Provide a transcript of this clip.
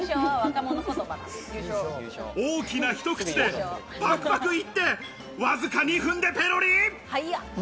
大きな一口でパクパクいって、わずか二分でペロリ。